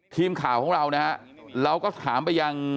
ทีมข่าวของเรานะฮะเราก็ถามไปยัง